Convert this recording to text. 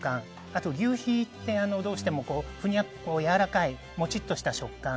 あと、求肥ってどうしてもやわらかいモチッとした食感。